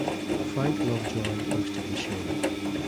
Frank Lovejoy hosted the show.